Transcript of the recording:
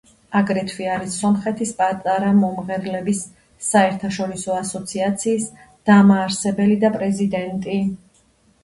აგრეთვე არის სომხეთის პატარა მომღერლების საერთაშორისო ასოციაციის დამაარსებელი და პრეზიდენტი.